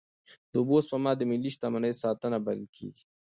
د اوبو سپما د ملي شتمنۍ ساتنه بلل کېږي.